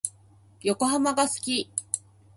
横浜が好き。